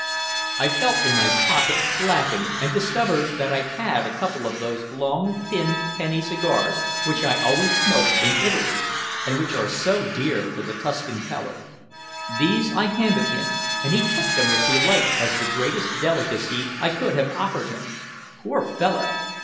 I felt in my pocket, laughing, and discovered that I had a couple of those long thin penny cigars which I always smoke in Italy, and which are so dear to the Tuscan palate. These I handed him, and he took them with delight as the greatest delicacy I could have offered him. Poor fellow!